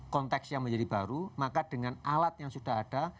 konteksnya menjadi baru maka dengan alat yang sudah ada